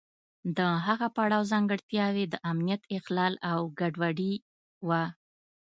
د هغه پړاو ځانګړتیاوې د امنیت اخلال او ګډوډي وه.